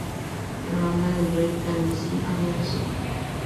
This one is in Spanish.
La banda del Rey Carmesí había resurgido.